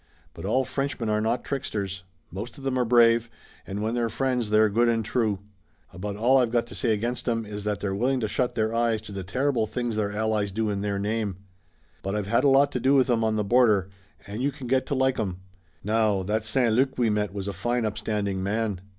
But all Frenchmen are not tricksters. Most of 'em are brave, and when they're friends they're good and true. About all I've got to say against 'em is that they're willing to shut their eyes to the terrible things their allies do in their name. But I've had a lot to do with 'em on the border, and you can get to like 'em. Now, that St. Luc we met was a fine upstanding man."